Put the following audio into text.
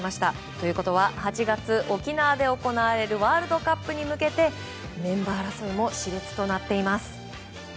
ということは８月、沖縄で行われるワールドカップに向けてメンバー争いも熾烈となっています。